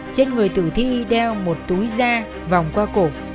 trên người tử thi đeo một túi da vòng qua cổ